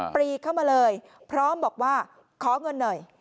ปรีเข้ามาเลยพร้อมบอกว่าขอเงินหน่อย